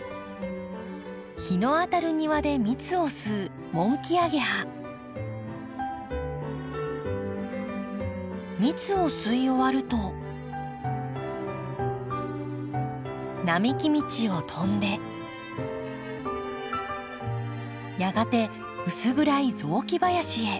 日の当たる庭で蜜を吸う蜜を吸い終わると並木道を飛んでやがて薄暗い雑木林へ。